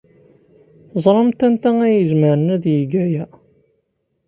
Teẓramt anta ay izemren ad yeg aya?